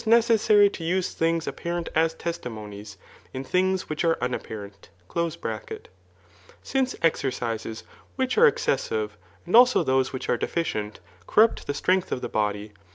accessary to use things apparent as testimonies, in things which are unapparent), since exercises which are exces sive, and also those which are deficient, corrupt the strength of the body.